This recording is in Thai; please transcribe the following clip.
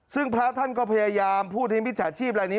ซึ่งพระท่านก็พยายามพูดให้มิจฉาชีพลายนี้